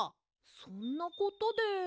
そんなことで？